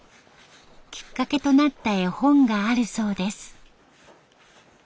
きっかけとなった絵本があるそうです。